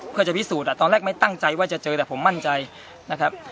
เพื่อจะพิสูจน์ตอนแรกไม่ตั้งใจว่าจะเจอแต่ผมมั่นใจนะครับ